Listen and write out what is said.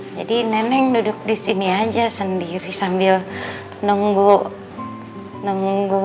jadi nenek duduk di sini aja sendiri sambil nunggu nunggu